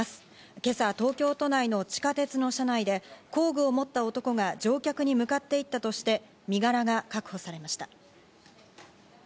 今朝、東京都内の地下鉄の車内で工具を持った男が乗客に向かっていったとして身柄が確保されました。